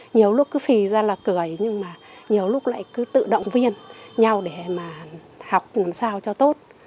nhiều lúc cứ phì ra là cười nhưng mà nhiều lúc lại cứ tự động viên nhau để mà học làm sao cho tốt